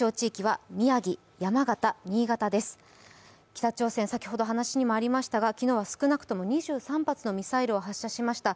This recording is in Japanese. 北朝鮮先ほど話にもありましたが昨日は少なくとも２３発のミサイルを発射しました。